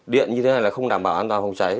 điện như thế này là không đảm bảo an toàn phòng cháy